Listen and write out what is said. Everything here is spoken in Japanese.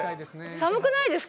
寒くないですか？